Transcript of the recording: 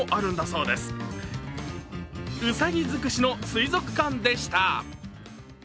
うさぎ尽くしの水族館でした。